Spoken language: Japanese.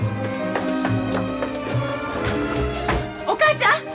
お母ちゃん！